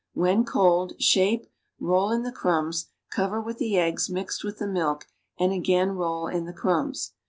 When cold, sliape, roll in the crumbs, cover «ith the eggs mixed with the milk, and again roll in the crumbs.